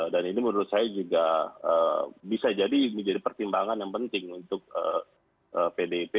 dan ini menurut saya juga bisa jadi menjadi pertimbangan yang penting untuk pdip